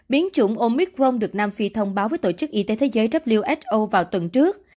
biến chủng omicron được nam phi thông báo với tổ chức y tế thế giới who vào tuần trước